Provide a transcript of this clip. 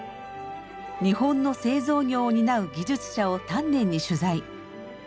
日本の製造業を担う技術者を丹念に取材。